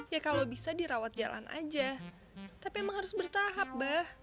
ya kalau bisa dirawat jalan aja tapi emang harus bertahap bah